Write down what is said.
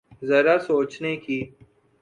ذرا سوچنے کی۔